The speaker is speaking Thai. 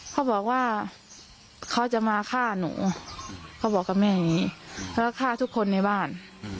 เขาบอกว่าเขาจะมาฆ่าหนูเขาบอกกับแม่อย่างนี้แล้วก็ฆ่าทุกคนในบ้าน